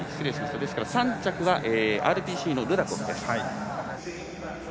ですから３着はＲＰＣのルダコフです。